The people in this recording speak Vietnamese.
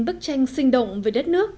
bức tranh sinh động về đất nước